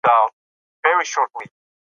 ايا لښتې به وکولی شي چې خپل غم پټ کړي؟